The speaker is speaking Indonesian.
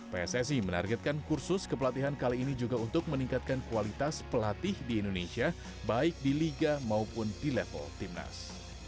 pssi menargetkan kursus kepelatihan kali ini juga untuk meningkatkan kualitas pelatih di indonesia baik di liga maupun di level timnas